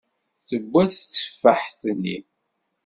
Tewwa tetteffaḥt-nni.